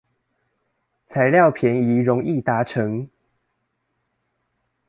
材料便宜容易達成